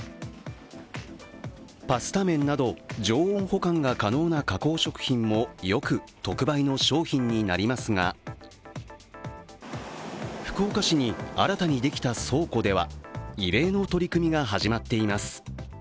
パスタ麺など常温保管が可能な加工食品もよく特売の商品になりますが福岡市に新たにできた倉庫では異例の取り組みが始まっています。